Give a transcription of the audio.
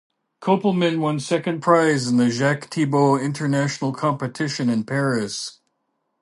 Kopelman won second prize in the Jacques Thibaud International Competition in Paris.